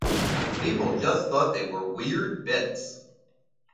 People just thought they were weird bits!